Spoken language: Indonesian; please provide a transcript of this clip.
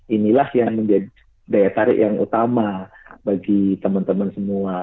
inilah yang menjadi daya tarik yang utama bagi teman teman semua